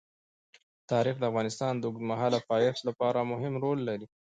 تاریخ د افغانستان د اوږدمهاله پایښت لپاره مهم رول لري.